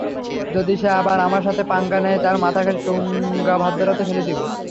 যদি সে আবার আমার সাথে পাঙ্গা নেয়, তার মাথা কেটে টুঙ্গাভাদ্রাতে ফেলে দিবো!